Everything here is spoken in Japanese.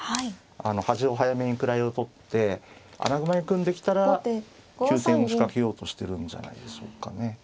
端を早めに位を取って穴熊に組んできたら急戦を仕掛けようとしてるんじゃないでしょうかね。